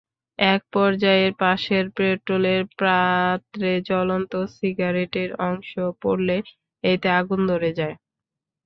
একপর্যায়ে পাশের পেট্রলের পাত্রে জ্বলন্ত সিগারেটের অংশ পড়লে এতে আগুন ধরে যায়।